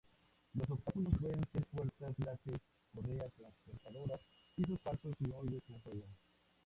Los obstáculos pueden ser puertas laser, correas transportadoras, pisos falsos y hoyos con fuego.